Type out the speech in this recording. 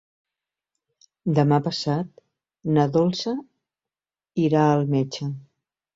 Demà passat na Dolça irà al metge.